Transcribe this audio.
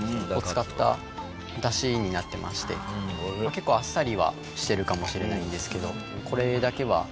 結構あっさりはしてるかもしれないんですけどこれだけは全く。